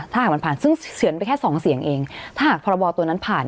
ถ้าหากมันผ่านซึ่งเขียนไปแค่สองเสียงเองถ้าหากพรบตัวนั้นผ่าน